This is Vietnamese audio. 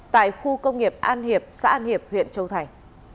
tại khu công nghiệp an hiệp xã an hiệp huyện châu thành